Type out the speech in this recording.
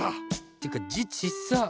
ていうかじちっさっ！